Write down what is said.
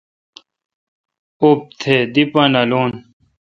اپتھ دی پا نالون۔